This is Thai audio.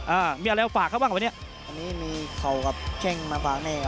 อ่ามีอะไรเอาฝากเขาบ้างปะเนี้ยอันนี้มีเขากับเช่งมาฝากเนี้ยครับ